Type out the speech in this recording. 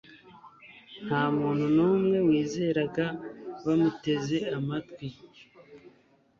Nta muntu numwe wizeraga Bamuteze amatwi